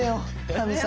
神様。